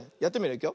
いくよ。